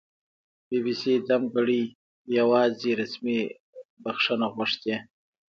بي بي سي دمګړۍ یواځې رسمي بښنه غوښتې